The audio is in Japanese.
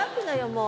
もう。